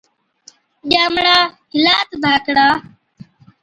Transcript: ڄامڙا هِلا تہ ڌاڪڙا،